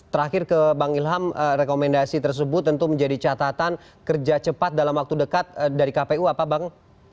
terakhir ke bang ilham rekomendasi tersebut tentu menjadi catatan kerja cepat dalam waktu dekat dari kpu apa bang